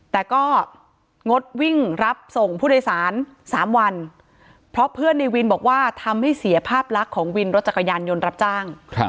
แต่ก็งดวิ่งรับส่งผู้โดยสาร๓วันเพราะเพื่อนในวินบอกว่าทำให้เสียภาพลักษณ์ของวินรถจักรยานยนต์รับจ้าง